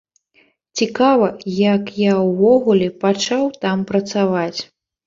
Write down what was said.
Цікава, як я ўвогуле пачаў там працаваць.